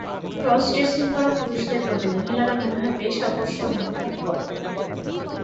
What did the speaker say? Cross-dressing করা পুরুষদের প্রতি মহিলারা মনে হয় বেশ আকর্ষণ অনুভব করে।